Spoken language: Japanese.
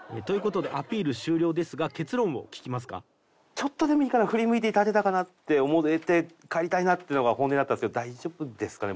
ちょっとでもいいから振り向いて頂けたかなって思えて帰りたいなっていうのが本音だったんですけど大丈夫ですかね？